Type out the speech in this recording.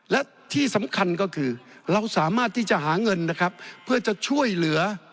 และที่สำคัญก็คือเราสามารถที่จะหาเงินนะครับเพื่อจะช่วยเหลือ